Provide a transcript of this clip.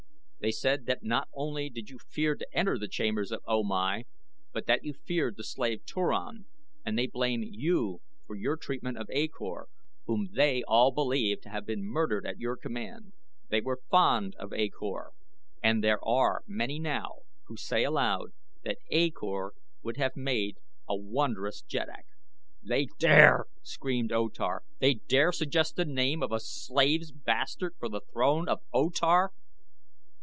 "They said that not only did you fear to enter the chambers of O Mai, but that you feared the slave Turan, and they blame you for your treatment of A Kor, whom they all believe to have been murdered at your command. They were fond of A Kor and there are many now who say aloud that A Kor would have made a wondrous jeddak." "They dare?" screamed O Tar. "They dare suggest the name of a slave's bastard for the throne of O Tar!"